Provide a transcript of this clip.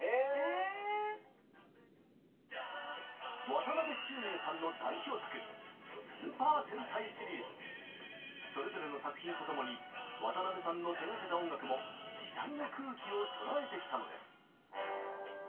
渡辺宙明さんの代表作それぞれの作品と共に渡辺さんの手がけた音楽も時代の空気を捉えてきたのです。